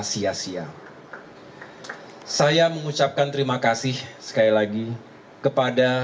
sebelum menutupi perjalanan kita